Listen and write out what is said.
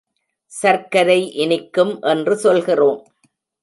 சர்க்கரை இனிக்கும் என்று சொல்கிறோம்.